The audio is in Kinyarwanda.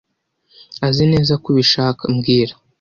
Azineza ko ubishaka mbwira